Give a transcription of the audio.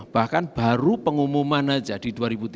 bahkan baru pengumuman aja di